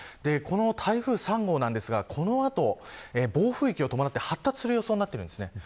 台風３号なんですが、この後暴風域を伴って発達する予想になっています。